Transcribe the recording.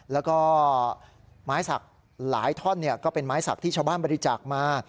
แล้วก็ไม้สักหลายท่อนก็เป็นไม้สักที่ชาวบ้านบริจาคมา